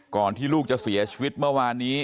ที่ลูกจะเสียชีวิตเมื่อวานนี้